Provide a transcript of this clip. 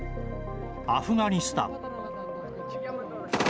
アフガニスタン。